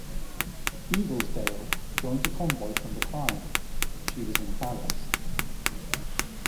"Eaglesdale" joined the convoy from the Clyde, she was in ballast.